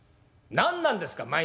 何なんですか！？